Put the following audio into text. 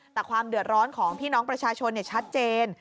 แต่ความเดือดร้อนของพี่น้องประชาชนชัดเจน